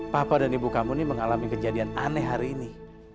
papa dan ibu kamu ini mengalami kejadian aneh hari ini